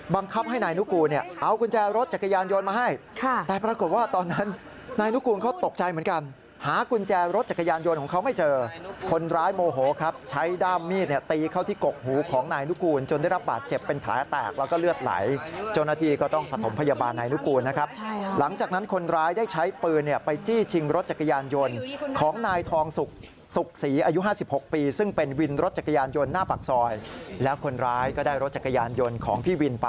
บังคับให้นายนุกูลเอากุญแจรถจักรยานยนต์มาให้